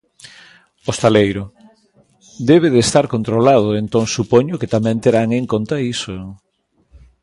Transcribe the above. Hostaleiro: Debe de estar controlado entón supoño que tamén terán en conta iso.